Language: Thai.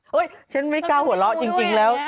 เฮ้ยฉันแม้กล้าหัวละจริงแล้ว